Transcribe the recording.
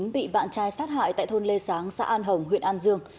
bị bạn trai sát hại tại thôn lê sáng xã an hồng huyện an dương